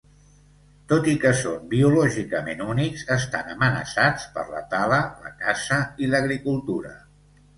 Tot i que són biològicament únics, estan amenaçats per la tala, la caça i l’agricultura.